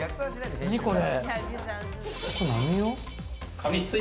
何これ？